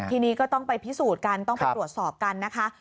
ทีนี้ก็ต้องไปพิสูจน์กันต้องไปตรวจสอบกันนะคะ